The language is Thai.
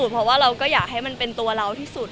เพราะว่าเราก็อยากให้มันเป็นตัวเราที่สุด